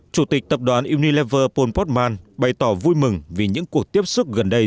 chủ tịch tập đoàn unilever paul portman bày tỏ vui mừng vì những cuộc tiếp xúc gần đây